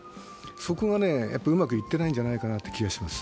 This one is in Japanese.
そこがうまくいってないんじゃないかなという気がします。